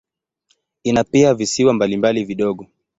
Ina pia visiwa mbalimbali vidogo.